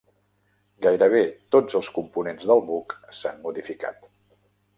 Gairebé tots els components del buc s'han modificat.